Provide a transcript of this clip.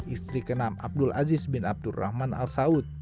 istri keenam abdul aziz bin abdul rahman al saud